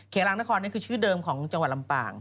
กลางนครนี่คือชื่อเดิมของจังหวัดลำปาง